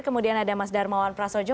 kemudian ada mas darmawan prasojo